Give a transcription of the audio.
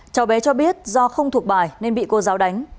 cháu bé cho biết do không thuộc bài nên bị cô giáo đánh